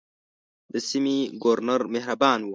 د سیمې ګورنر مهربان وو.